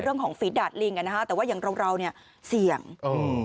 เรื่องของฝีดาดลิงกันนะครับแต่ว่าอย่างเราเนี่ยเสี่ยง